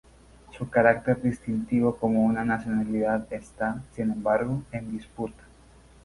Su carácter distintivo como una nacionalidad está, sin embargo, en disputa.